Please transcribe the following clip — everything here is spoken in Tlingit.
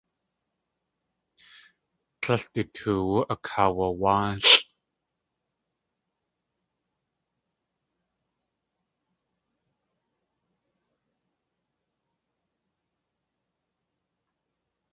Tlél du toowú akawulwáalʼ.